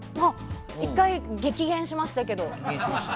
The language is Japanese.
１回、激減しましたけど。